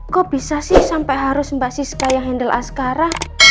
kok bisa sih sampai harus mbak siska yang handle askara